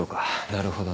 なるほど。